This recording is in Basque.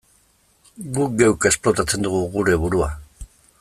Guk geuk esplotatzen dugu geure burua.